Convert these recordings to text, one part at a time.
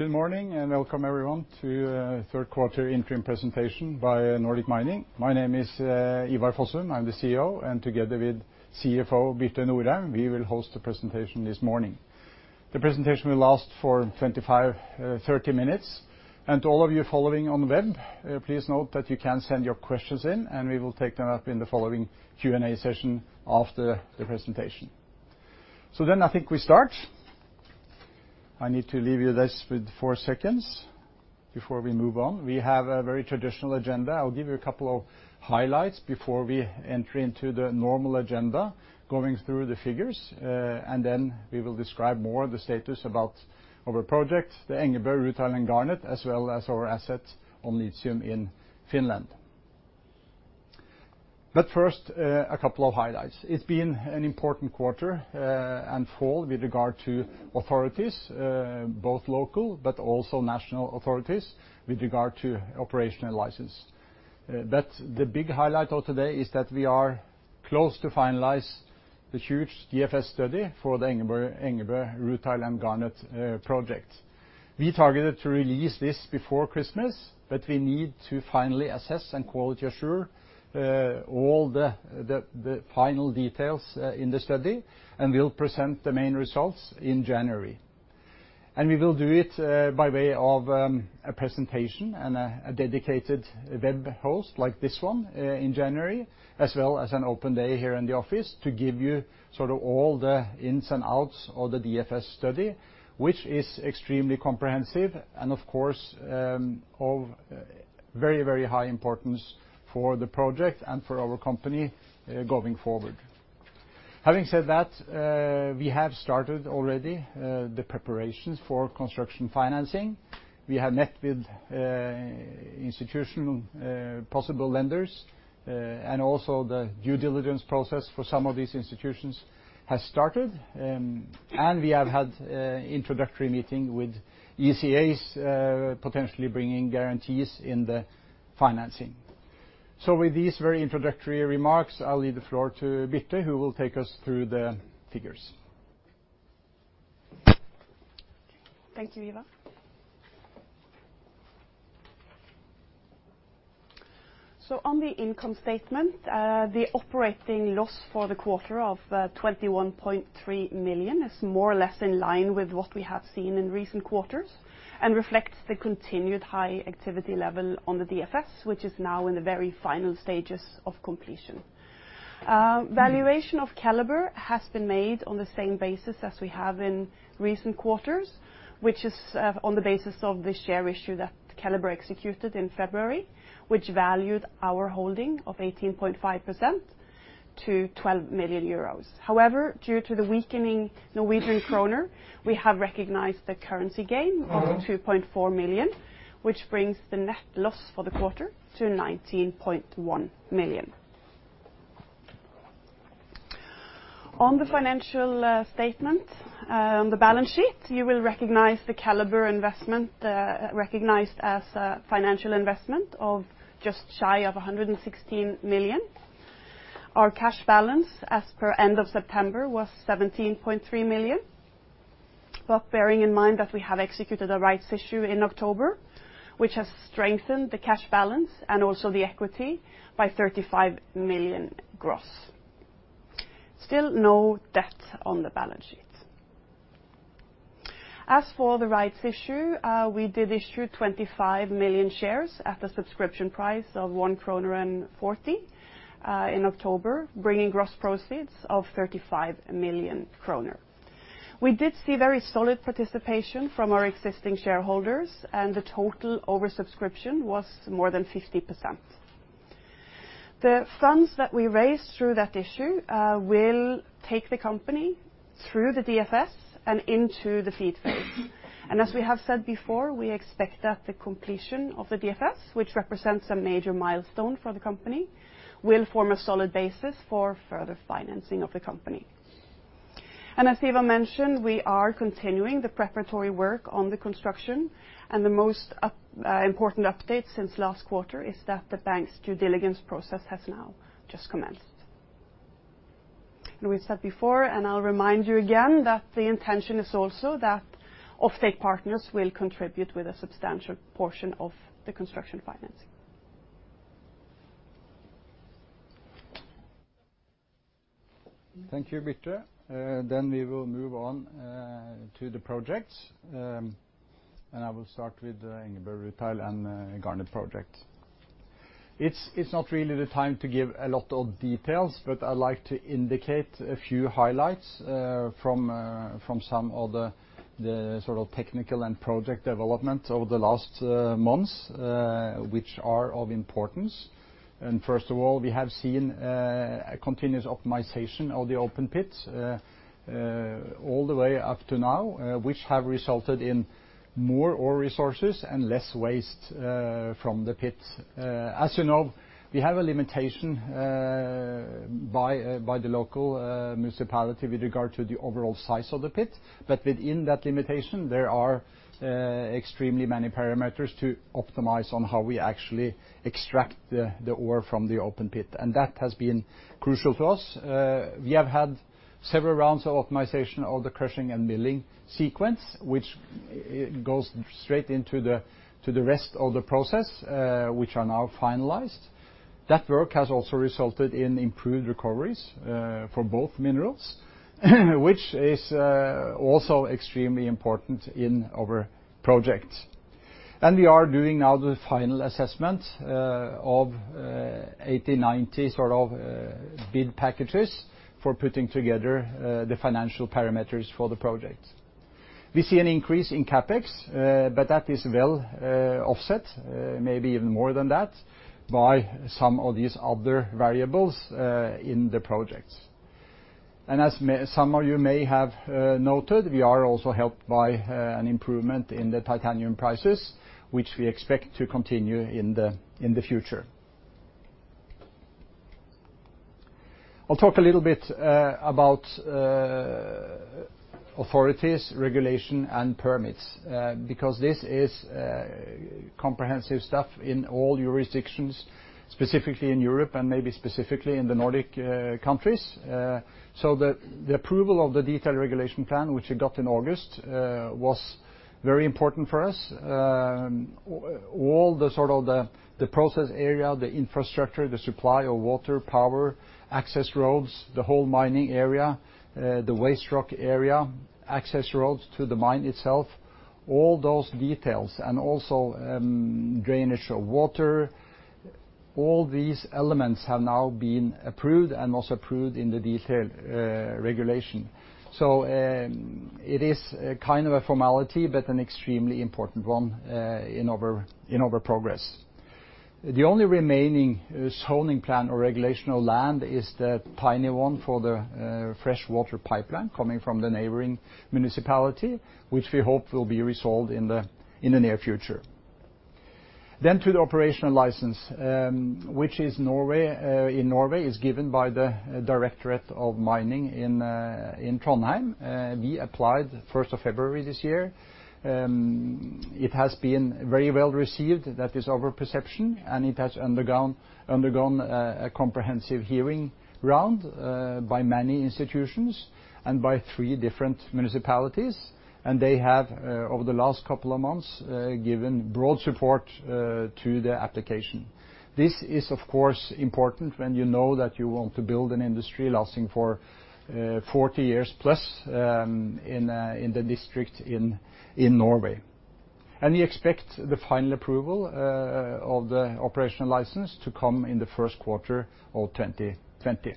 Good morning and welcome everyone to the third quarter interim presentation by Nordic Mining. My name is Ivar Fossum, I'm the CEO, and together with CFO Birte Norheim, we will host the presentation this morning. The presentation will last for 25-30 minutes, and to all of you following on the web, please note that you can send your questions in, and we will take them up in the following Q&A session after the presentation. I think we start. I need to leave you this with four seconds before we move on. We have a very traditional agenda. I'll give you a couple of highlights before we enter into the normal agenda, going through the figures, and then we will describe more the status about our project, the Engebø Rutile and Garnet, as well as our asset on lithium in Finland. First, a couple of highlights. It's been an important quarter and fall with regard to authorities, both local but also national authorities with regard to operational license. The big highlight of today is that we are close to finalize the huge DFS study for the Engebø Rutile and Garnet project. We targeted to release this before Christmas, but we need to finally assess and quality assure all the final details in the study, and we will present the main results in January. We will do it by way of a presentation and a dedicated web host like this one in January, as well as an open day here in the office to give you sort of all the ins and outs of the DFS study, which is extremely comprehensive and, of course, of very, very high importance for the project and for our company going forward. Having said that, we have started already the preparations for construction financing. We have met with institutional possible lenders, and also the due diligence process for some of these institutions has started, and we have had an introductory meeting with ECAs potentially bringing guarantees in the financing. With these very introductory remarks, I'll leave the floor to Birte, who will take us through the figures. Thank you, Ivar. On the income statement, the operating loss for the quarter of 21.3 million is more or less in line with what we have seen in recent quarters and reflects the continued high activity level on the DFS, which is now in the very final stages of completion. Valuation of Keliber has been made on the same basis as we have in recent quarters, which is on the basis of the share issue that Keliber executed in February, which valued our holding of 18.5% to 12 million euros. However, due to the weakening Norwegian krone, we have recognized the currency gain of 2.4 million, which brings the net loss for the quarter to 19.1 million. On the financial statement, on the balance sheet, you will recognize the Keliber investment recognized as a financial investment of just shy of 116 million. Our cash balance as per end of September was 17.3 million, but bearing in mind that we have executed a rights issue in October, which has strengthened the cash balance and also the equity by 35 million gross. Still no debt on the balance sheet. As for the rights issue, we did issue 25 million shares at a subscription price of 1.40 kroner in October, bringing gross proceeds of 35 million kroner. We did see very solid participation from our existing shareholders, and the total oversubscription was more than 50%. The funds that we raised through that issue will take the company through the DFS and into the feed phase. As we have said before, we expect that the completion of the DFS, which represents a major milestone for the company, will form a solid basis for further financing of the company. As Ivar mentioned, we are continuing the preparatory work on the construction, and the most important update since last quarter is that the bank's due diligence process has now just commenced. We have said before, and I will remind you again that the intention is also that offtake partners will contribute with a substantial portion of the construction financing. Thank you, Birte. We will move on to the projects, and I will start with the Engebø Rutile and Garnet project. It's not really the time to give a lot of details, but I'd like to indicate a few highlights from some of the sort of technical and project development over the last months, which are of importance. First of all, we have seen continuous optimization of the open pit all the way up to now, which has resulted in more resources and less waste from the pit. As you know, we have a limitation by the local municipality with regard to the overall size of the pit, but within that limitation, there are extremely many parameters to optimize on how we actually extract the ore from the open pit, and that has been crucial to us. We have had several rounds of optimization of the crushing and milling sequence, which goes straight into the rest of the process, which are now finalized. That work has also resulted in improved recoveries for both minerals, which is also extremely important in our project. We are doing now the final assessment of 80-90 sort of bid packages for putting together the financial parameters for the project. We see an increase in CapEx, but that is well offset, maybe even more than that, by some of these other variables in the project. As some of you may have noted, we are also helped by an improvement in the titanium prices, which we expect to continue in the future. I'll talk a little bit about authorities, regulation, and permits because this is comprehensive stuff in all jurisdictions, specifically in Europe and maybe specifically in the Nordic countries. The approval of the detailed regulation plan, which we got in August, was very important for us. All the sort of the process area, the infrastructure, the supply of water, power, access roads, the whole mining area, the waste rock area, access roads to the mine itself, all those details, and also drainage of water, all these elements have now been approved and also approved in the detailed regulation. It is kind of a formality, but an extremely important one in our progress. The only remaining zoning plan or regulation of land is the tiny one for the freshwater pipeline coming from the neighboring municipality, which we hope will be resolved in the near future. To the operational license, which in Norway is given by the Directorate of Mining in Trondheim. We applied 1 February this year. It has been very well received, that is our perception, and it has undergone a comprehensive hearing round by many institutions and by three different municipalities. They have, over the last couple of months, given broad support to the application. This is, of course, important when you know that you want to build an industry lasting for 40 years plus in the district in Norway. We expect the final approval of the operational license to come in the first quarter of 2020.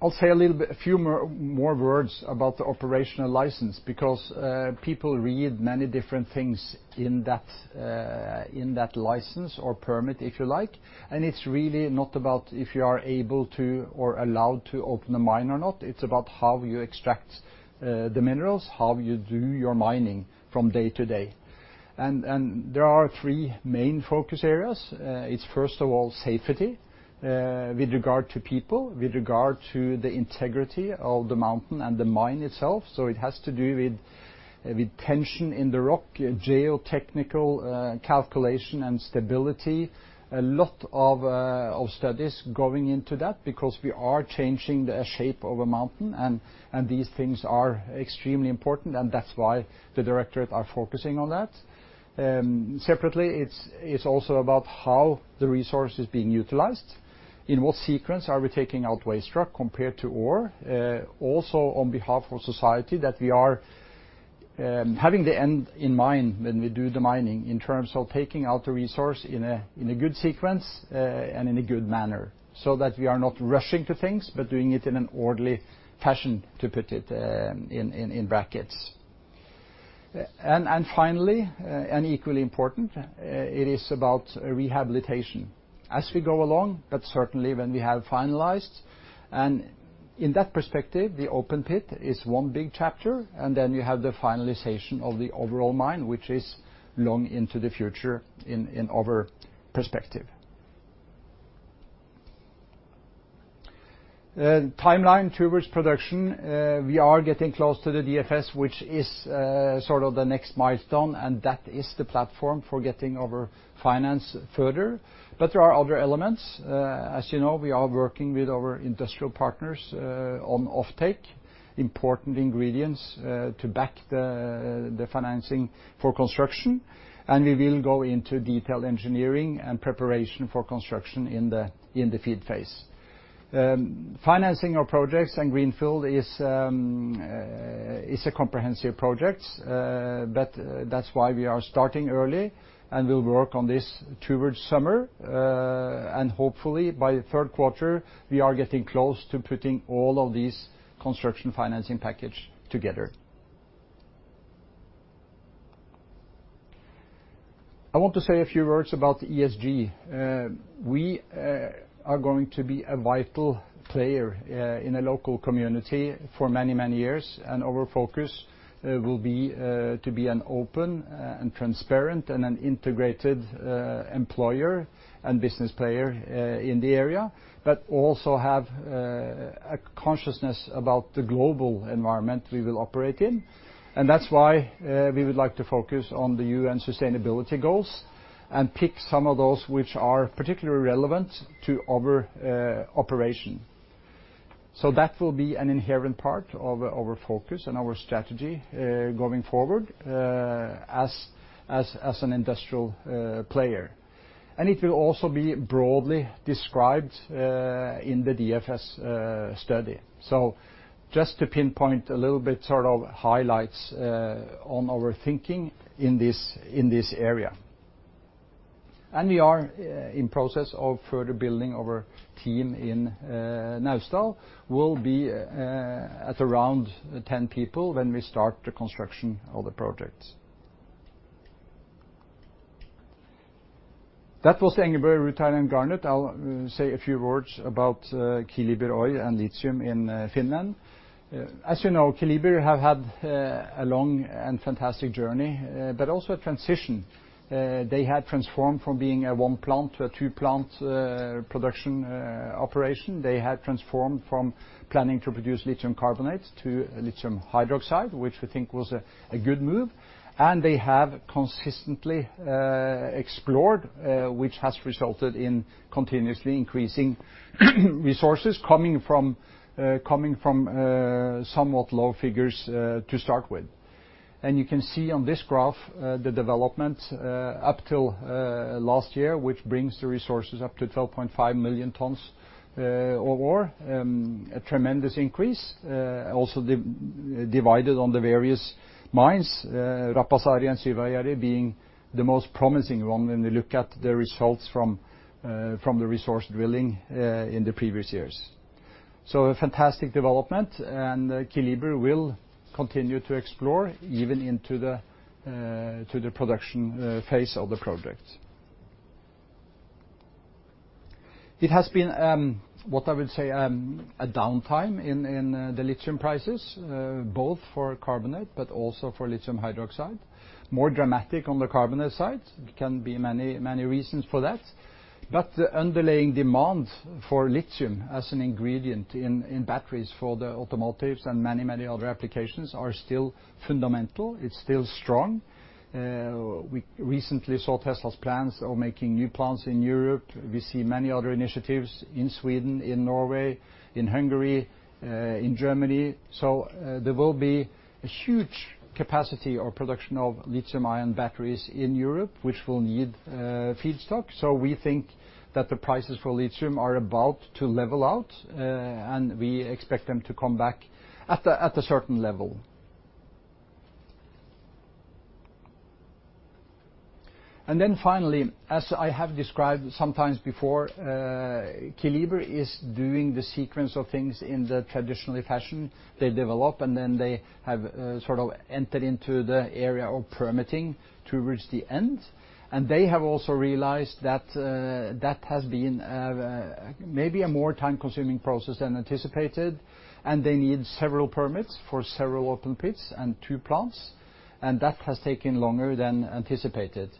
I'll say a few more words about the operational license because people read many different things in that license or permit, if you like, and it's really not about if you are able to or allowed to open a mine or not, it's about how you extract the minerals, how you do your mining from day to day. There are three main focus areas. It's first of all safety with regard to people, with regard to the integrity of the mountain and the mine itself. It has to do with tension in the rock, geotechnical calculation and stability. A lot of studies going into that because we are changing the shape of a mountain, and these things are extremely important, and that's why the directorate is focusing on that. Separately, it's also about how the resource is being utilized, in what sequence are we taking out waste rock compared to ore. Also on behalf of society, that we are having the end in mind when we do the mining in terms of taking out the resource in a good sequence and in a good manner so that we are not rushing to things, but doing it in an orderly fashion, to put it in brackets. Finally, and equally important, it is about rehabilitation as we go along, but certainly when we have finalized. In that perspective, the open pit is one big chapter, and then you have the finalization of the overall mine, which is long into the future in our perspective. Timeline towards production, we are getting close to the DFS, which is sort of the next milestone, and that is the platform for getting our finance further. There are other elements. As you know, we are working with our industrial partners on offtake, important ingredients to back the financing for construction, and we will go into detailed engineering and preparation for construction in the feed phase. Financing our projects and greenfield is a comprehensive project, but that's why we are starting early and will work on this towards summer. Hopefully, by third quarter, we are getting close to putting all of these construction financing packages together. I want to say a few words about ESG. We are going to be a vital player in a local community for many, many years, and our focus will be to be an open and transparent and an integrated employer and business player in the area, but also have a consciousness about the global environment we will operate in. That is why we would like to focus on the UN sustainability goals and pick some of those which are particularly relevant to our operation. That will be an inherent part of our focus and our strategy going forward as an industrial player. It will also be broadly described in the DFS study. Just to pinpoint a little bit sort of highlights on our thinking in this area. We are in process of further building our team in Naustdal. We'll be at around 10 people when we start the construction of the project. That was the Engebø Rutile and Garnet. I'll say a few words about Keliber Oy and lithium in Finland. As you know, Keliber have had a long and fantastic journey, but also a transition. They have transformed from being a one-plant to a two-plant production operation. They have transformed from planning to produce lithium carbonate to lithium hydroxide, which we think was a good move. They have consistently explored, which has resulted in continuously increasing resources coming from somewhat low figures to start with. You can see on this graph the development up till last year, which brings the resources up to 12.5 million tons of ore, a tremendous increase, also divided on the various mines, Rapasaari and Syväjärvi being the most promising one when we look at the results from the resource drilling in the previous years. A fantastic development, and Keliber will continue to explore even into the production phase of the project. It has been what I would say a downtime in the lithium prices, both for carbonate but also for lithium hydroxide. More dramatic on the carbonate side, there can be many reasons for that. The underlying demand for lithium as an ingredient in batteries for the automotives and many, many other applications are still fundamental. It's still strong. We recently saw Tesla's plans of making new plants in Europe. We see many other initiatives in Sweden, in Norway, in Hungary, in Germany. There will be a huge capacity or production of lithium-ion batteries in Europe, which will need feedstock. We think that the prices for lithium are about to level out, and we expect them to come back at a certain level. Finally, as I have described sometimes before, Keliber is doing the sequence of things in the traditional fashion. They develop, and then they have sort of entered into the area of permitting towards the end. They have also realized that that has been maybe a more time-consuming process than anticipated, and they need several permits for several open pits and two plants, and that has taken longer than anticipated.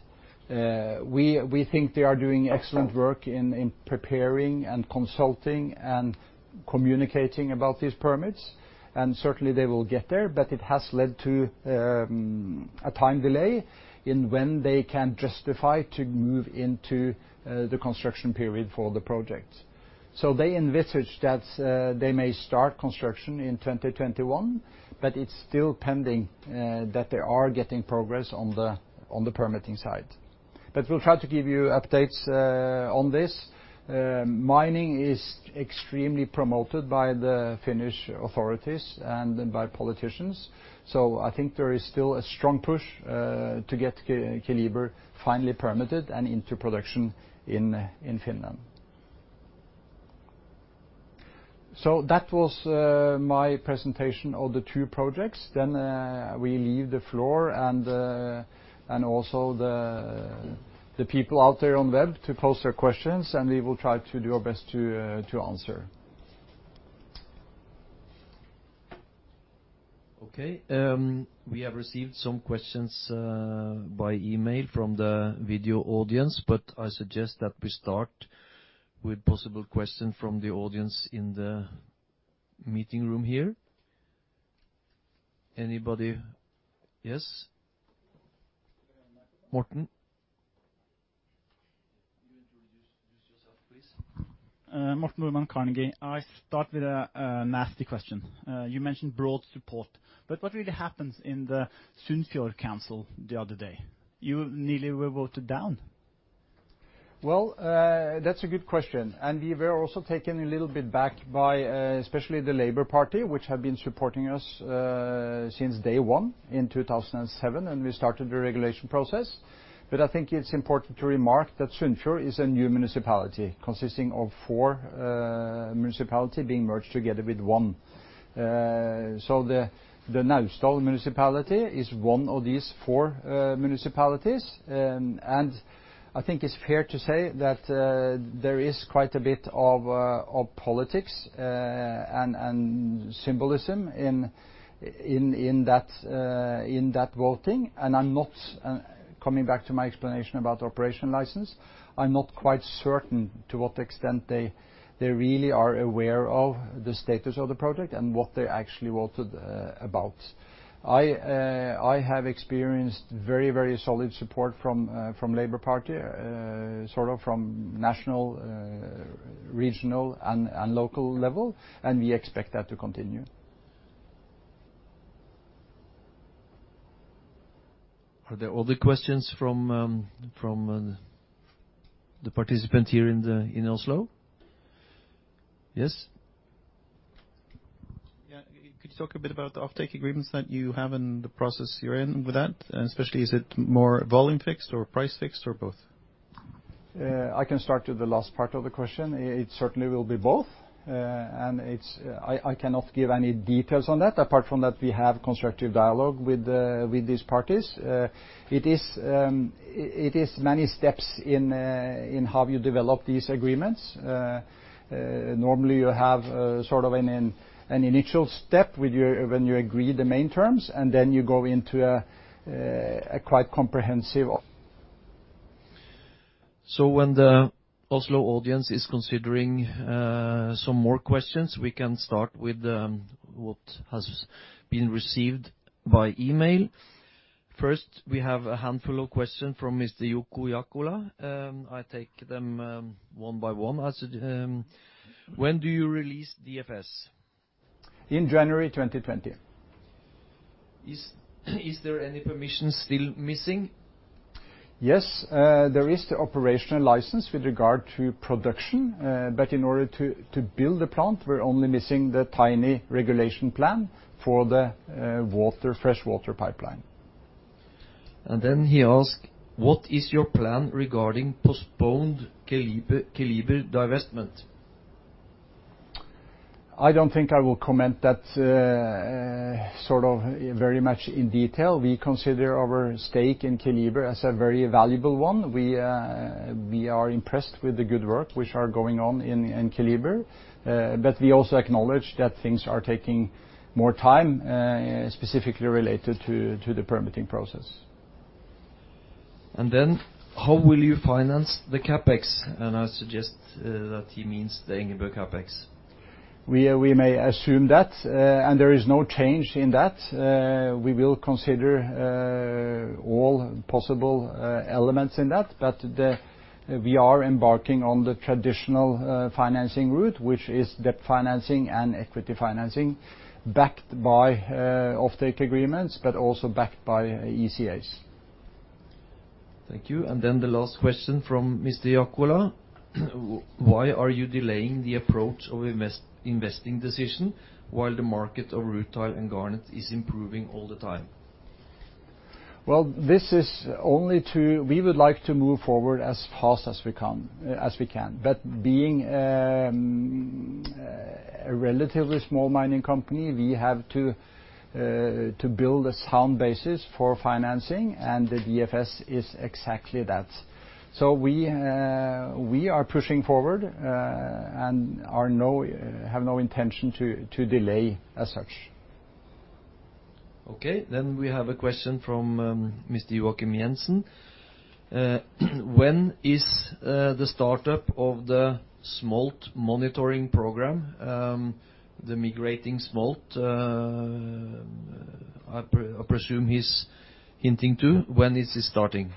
We think they are doing excellent work in preparing and consulting and communicating about these permits, and certainly they will get there. It has led to a time delay in when they can justify to move into the construction period for the project. They envisage that they may start construction in 2021, but it is still pending that they are getting progress on the permitting side. We will try to give you updates on this. Mining is extremely promoted by the Finnish authorities and by politicians. I think there is still a strong push to get Keliber finally permitted and into production in Finland. That was my presentation of the two projects. We leave the floor and also the people out there on web to post their questions, and we will try to do our best to answer. Okay. We have received some questions by email from the video audience, but I suggest that we start with possible questions from the audience in the meeting room here. Anybody? Yes? Morton? You introduce yourself, please. Morton Woodman, Carnegie. I start with a nasty question. You mentioned broad support, but what really happened in the Sunnfjord Council the other day? You nearly were voted down. That is a good question. We were also taken a little bit back by especially the Labour Party, which had been supporting us since day one in 2007, and we started the regulation process. I think it is important to remark that Sunnfjord is a new municipality consisting of four municipalities being merged together with one. The Naustdal municipality is one of these four municipalities, and I think it's fair to say that there is quite a bit of politics and symbolism in that voting. I'm not coming back to my explanation about operational license. I'm not quite certain to what extent they really are aware of the status of the project and what they actually voted about. I have experienced very, very solid support from the Labour Party, sort of from national, regional, and local level, and we expect that to continue. Are there other questions from the participants here in Oslo? Yes? Yeah. Could you talk a bit about the offtake agreements that you have in the process you're in with that? And especially, is it more volume-fixed or price-fixed or both? I can start with the last part of the question. It certainly will be both, and I cannot give any details on that apart from that we have constructive dialogue with these parties. It is many steps in how you develop these agreements. Normally, you have sort of an initial step when you agree the main terms, and then you go into a quite comprehensive. As the Oslo audience is considering some more questions, we can start with what has been received by email. First, we have a handful of questions from Mr. Jukku Jakula. I'll take them one by one. When do you release DFS? In January 2020. Is there any permission still missing? Yes. There is the operational license with regard to production, but in order to build the plant, we're only missing the tiny regulation plan for the freshwater pipeline. Then he asked, what is your plan regarding postponed Keliber divestment? I don't think I will comment that sort of very much in detail. We consider our stake in Keliber as a very valuable one. We are impressed with the good work which is going on in Keliber, but we also acknowledge that things are taking more time, specifically related to the permitting process. How will you finance the CapEx? I suggest that he means the Engebø CapEx. We may assume that, and there is no change in that. We will consider all possible elements in that, but we are embarking on the traditional financing route, which is debt financing and equity financing backed by offtake agreements, but also backed by ECAs. Thank you. The last question from Mr. Jakula. Why are you delaying the approach of investing decision while the market of rutile and garnet is improving all the time? This is only to we would like to move forward as fast as we can, but being a relatively small mining company, we have to build a sound basis for financing, and the DFS is exactly that. We are pushing forward and have no intention to delay as such. Okay. We have a question from Mr. Joakim Jensen. When is the startup of the smolt monitoring program, the migrating smolt, I presume he's hinting to, when is it starting?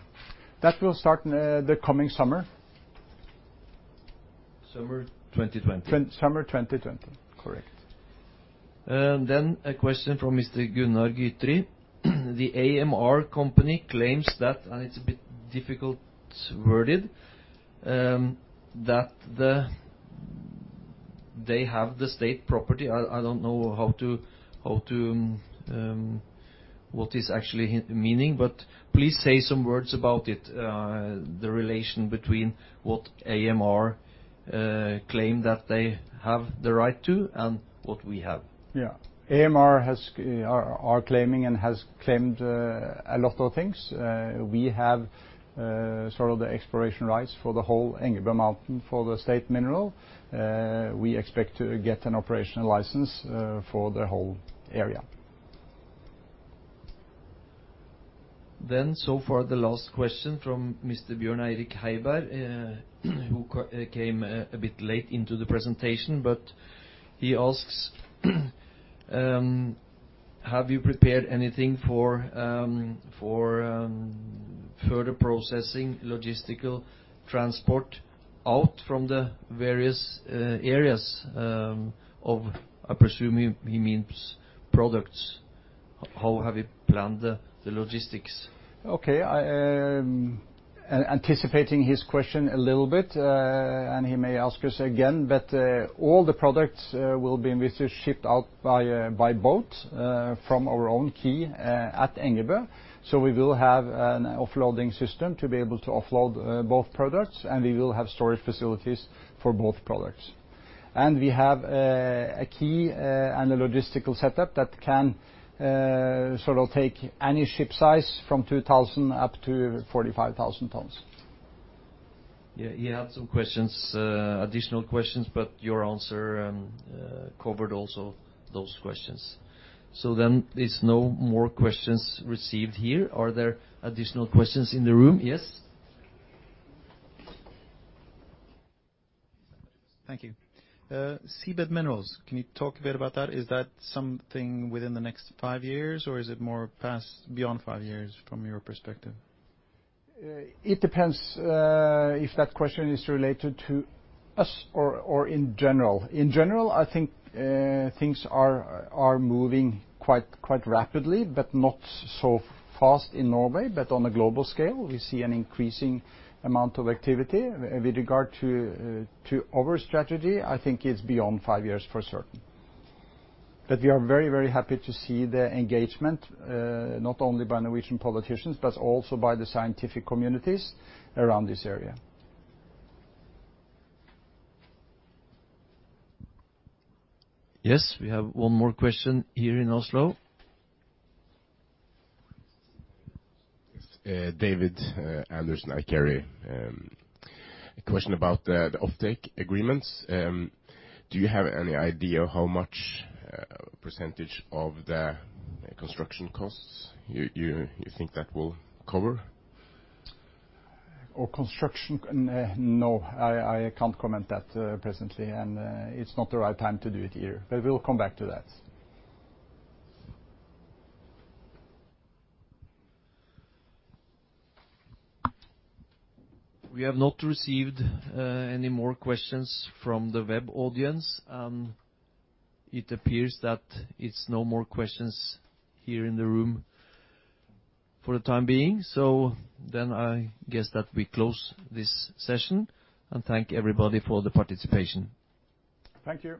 That will start the coming summer. Summer 2020. Summer 2020. Correct. A question from Mr. Gunnar Gytri. The AMR company claims that, and it's a bit difficult-worded, that they have the state property. I don't know what is actually meaning, but please say some words about it, the relation between what AMR claim that they have the right to and what we have. Yeah. AMR are claiming and have claimed a lot of things. We have sort of the exploration rights for the whole Engebø mountain for the state mineral. We expect to get an operational license for the whole area. The last question from Mr. Bjørn Eirik Heiberg, who came a bit late into the presentation, but he asks, have you prepared anything for further processing, logistical transport out from the various areas of, I presume he means products? How have you planned the logistics? Okay. Anticipating his question a little bit, and he may ask us again, but all the products will be shipped out by boat from our own quay at Engebø. We will have an offloading system to be able to offload both products, and we will have storage facilities for both products. We have a quay and a logistical setup that can sort of take any ship size from 2,000 up to 45,000 tons. He had some additional questions, but your answer covered also those questions. There are no more questions received here. Are there additional questions in the room? Yes? Thank you. Seabed minerals, can you talk a bit about that? Is that something within the next five years, or is it more past beyond five years from your perspective? It depends if that question is related to us or in general. In general, I think things are moving quite rapidly, but not so fast in Norway, but on a global scale. We see an increasing amount of activity. With regard to our strategy, I think it is beyond five years for certain. But we are very, very happy to see the engagement, not only by Norwegian politicians, but also by the scientific communities around this area. Yes, we have one more question here in Oslo. David Andersen, iCarry. A question about the offtake agreements. Do you have any idea how much percentage of the construction costs you think that will cover? No, I can't comment on that presently, and it's not the right time to do it here. I will come back to that. We have not received any more questions from the web audience. It appears that there are no more questions here in the room for the time being. So then I guess that we close this session and thank everybody for the participation. Thank you.